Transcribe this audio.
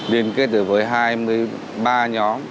liên kết với hai mươi ba nhóm